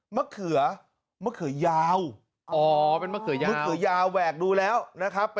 มะเขือมะเขือยาวอ๋อเป็นมะเขือยาวมะเขือยาวแหวกดูแล้วนะครับ